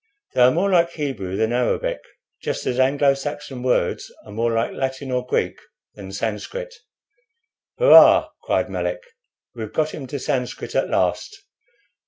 They are more like Hebrew than Arabic, just as Anglo Saxon words are more like Latin or Greek than Sanscrit." "Hurrah!" cried Melick, "we've got him to Sanscrit at last!